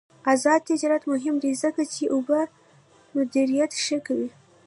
آزاد تجارت مهم دی ځکه چې اوبه مدیریت ښه کوي.